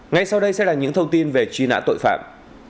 ngay sau đây sẽ là những thông tin về truy nã tội phạm